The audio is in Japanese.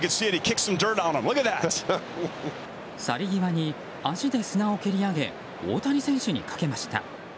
去り際に足で砂を蹴り上げ大谷選手にかけました。